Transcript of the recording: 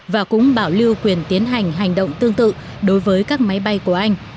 và cũng bảo lưu quyền tiến hành hành động tương tự đối với các máy bay của anh